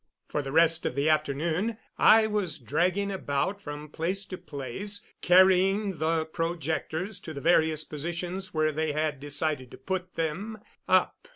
For the rest of the afternoon I was dragging about from place to place, carrying the projectors to the various positions where they had decided to put them up.